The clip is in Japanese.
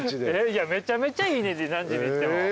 めちゃめちゃいい何時に行っても。